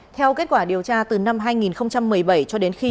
theo kết quả điều tra từ năm hai nghìn một mươi bảy cho đến khi